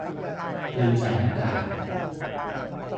ลืมใส่หน้ากาก